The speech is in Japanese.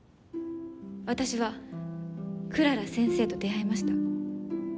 私はクララ先生と出会いました。